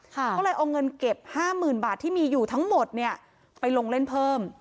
ก็เลยเอาเงินเก็บ๕๐๐๐บาทที่มีอยู่ทั้งหมดเนี่ยไปลงเล่นเพิ่ม